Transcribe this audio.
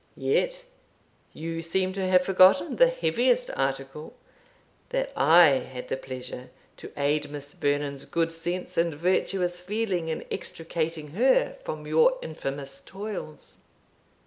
Yet you seem to have forgotten the heaviest article that I had the pleasure to aid Miss Vernon's good sense and virtuous feeling in extricating her from your infamous toils."